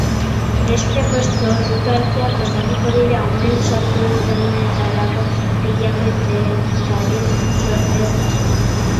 Besteak beste, ordu-tarteak ezarriko dira umeen sartu-irtenetarako, pilaketarik sor ez dadin.